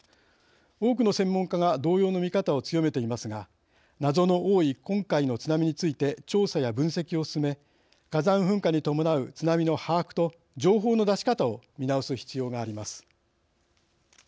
多くの専門家が同様の見方を強めていますが謎の多い今回の津波について調査や分析を進め火山噴火に伴う津波の把握と情報の出し方を見直す必要があります。